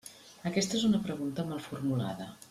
Aquesta és una pregunta mal formulada.